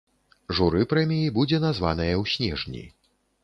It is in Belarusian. Журы прэміі будзе названае ў снежні.